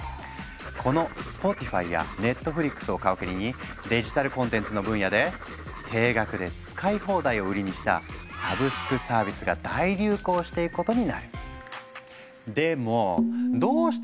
この「スポティファイ」や「ネットフリックス」を皮切りにデジタルコンテンツの分野で定額で使い放題を売りにしたサブスクサービスが大流行していくことになる。